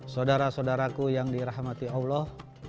saudara saudaraku yang dirahmati allah